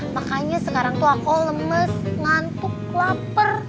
makanya sekarang tuh aku lemes ngantuk lapar